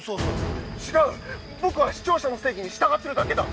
◆違う、僕は視聴者の正義に従ってるだけだ。